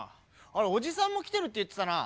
あれおじさんも来てるって言ってたな。